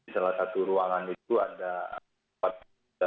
salah satu ruangan itu ada rp empat puluh juta